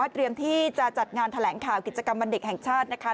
เตรียมที่จะจัดงานแถลงข่าวกิจกรรมวันเด็กแห่งชาตินะคะ